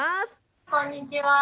こんにちは。